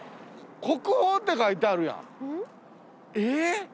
「国宝」って書いてあるやんえっ？